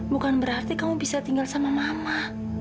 bukan berarti kamu bisa tinggal sama mama